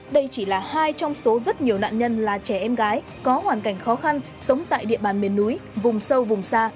đây chỉ là hai trong số rất nhiều nạn nhân là trẻ em gái có hoàn cảnh khó khăn sống tại địa bàn miền núi vùng sâu vùng xa